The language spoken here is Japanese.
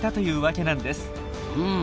うん。